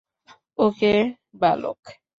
ওকে, বালক।